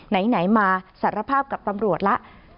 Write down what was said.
ไหนมาสารภาพกับตำรวจแล้ว